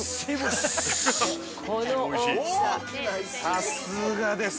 ◆さすがです。